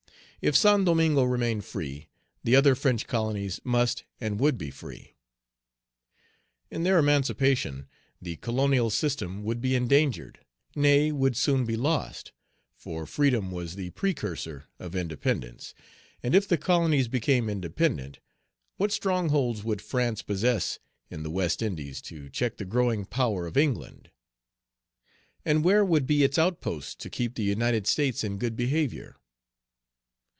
If Saint Domingo remained free, the other French colonies must and would be Page 226 free. In their emancipation the colonial system would be endangered, nay, would soon be lost; for freedom was the precursor of independence: and if the colonies became independent, what strongholds would France possess in the West Indies to check the growing power of England; and where would be its outposts to keep the United States in good behavior?